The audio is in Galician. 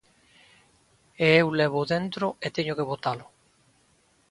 E eu lévoo dentro e teño que botalo.